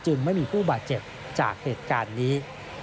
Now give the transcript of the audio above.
ไม่มีผู้บาดเจ็บจากเหตุการณ์นี้